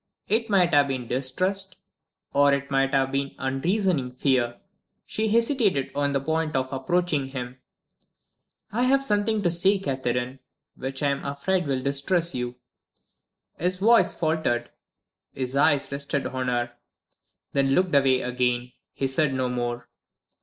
It might have been distrust, or it might have been unreasoning fear she hesitated on the point of approaching him. "I have something to say, Catherine, which I'm afraid will distress you." His voice faltered, his eyes rested on her then looked away again. He said no more.